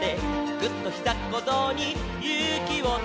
「ぐっ！とひざっこぞうにゆうきをため」